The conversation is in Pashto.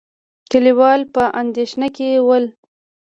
کليوال په اندېښنه کې ول.